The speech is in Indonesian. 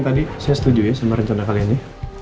tadi saya setuju ya sama rencana kalian ya